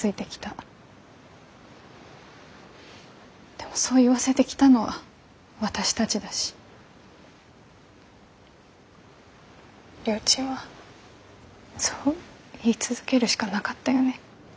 でもそう言わせてきたのは私たちだしりょーちんはそう言い続けるしかなかったよね。